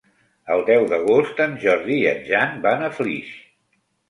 El deu d'agost en Jordi i en Jan van a Flix.